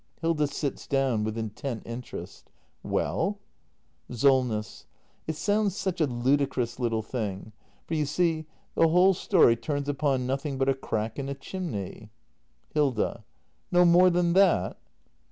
Hilda. [Sits down; with intent interest.] Well ? SOLNESS. It sounds such a ludicrous little thing; for, you see, the whole story turns upon nothing but a crack in a chimney. Hilda. No more than that